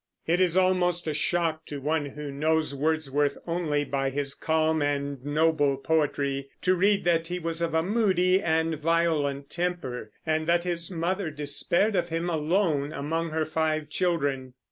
It is almost a shock to one who knows Wordsworth only by his calm and noble poetry to read that he was of a moody and violent temper, and that his mother despaired of him alone among her five children.